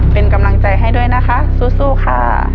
เป็นกำลังใจให้ด้วยนะคะสู้ค่ะ